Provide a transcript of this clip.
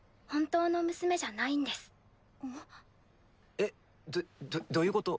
えっどどどういうこと？